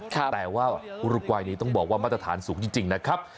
แต่ว่าอุรกวายต้องบอกว่ามัตถานสูงจริงนะครับ